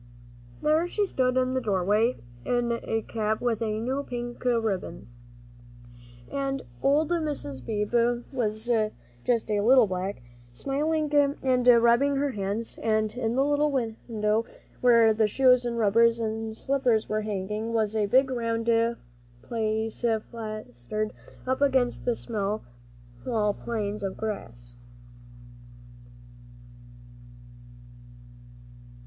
There she stood in the doorway, in a cap with new pink ribbons, and old Mr. Beebe just a little back, smiling and rubbing his hands, and in the little window where the shoes and rubbers and slippers were hanging was a big round face plastered up against the small panes of glass.